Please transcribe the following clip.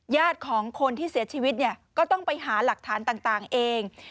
ญาติของคนที่เสียชีวิตเนี่ยก็ต้องไปหาหลักฐานต่างเอง